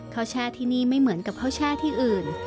แช่ที่นี่ไม่เหมือนกับข้าวแช่ที่อื่น